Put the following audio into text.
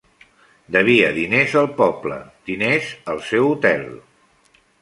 Devia diners al poble, diners al seu hotel.